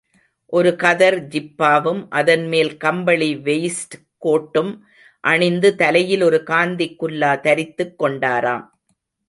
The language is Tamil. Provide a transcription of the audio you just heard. ஒரு கதர் ஜிப்பாவும், அதன்மேல் கம்பளி வெயிஸ்ட் கோட்டும் அணிந்து தலையில் ஒரு காந்திக் குல்லா தரித்துக் கொண்டாராம்.